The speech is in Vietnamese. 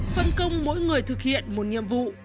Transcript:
phân công mỗi người thực hiện một nhiệm vụ